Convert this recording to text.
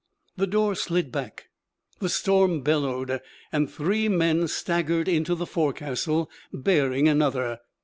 The door slid back, the storm bellowed, and three men staggered into the forecastle, bearing another.